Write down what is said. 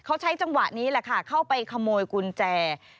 เขาใช้จังหวะนี้แหละค่ะเข้าไปขโมยกุญแจ